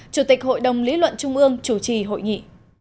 chủ tịch hội đồng lý luận trung ương chủ trì hội nghị